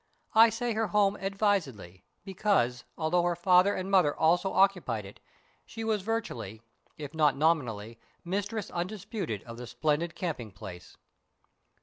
I say her home advisedly, because, although her father and mother also occupied it, she was virtually, if not nominally, mistress undisputed of the splendid camping place.